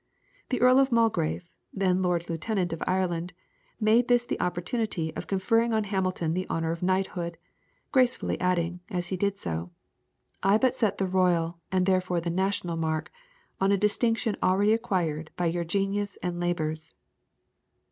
The Earl of Mulgrave, then Lord Lieutenant of Ireland, made this the opportunity of conferring on Hamilton the honour of knighthood, gracefully adding, as he did so: "I but set the royal, and therefore the national mark, on a distinction already acquired by your genius and labours."